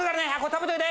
食べといで。